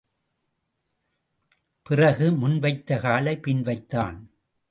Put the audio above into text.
பிறகு, முன் வைத்த காலை பின் வைத்தான்.